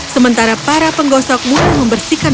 sementara para penggosok mulai membersihkan